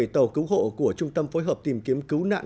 tàu cứu hộ của trung tâm phối hợp tìm kiếm cứu nạn